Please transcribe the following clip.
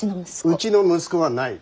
うちの息子はない。